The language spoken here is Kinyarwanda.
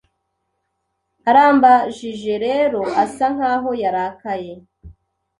Arambajije rero asa nkaho yarakaye